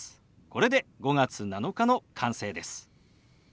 これで「５月７日」の完成です。